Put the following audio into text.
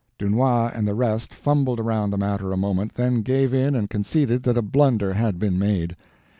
Dunois and the rest fumbled around the matter a moment, then gave in and conceded that a blunder had been made.